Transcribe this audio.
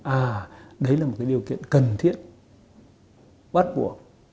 à đấy là một cái điều kiện cần thiết bắt buộc